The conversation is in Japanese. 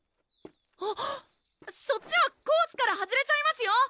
あっそっちはコースから外れちゃいますよ